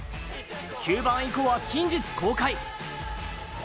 ９番以降は近日公開。